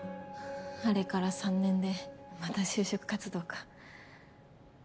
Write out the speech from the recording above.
あれから３年でまた就職活動か。